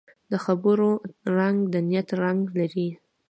د خبرو رنګ د نیت رنګ لري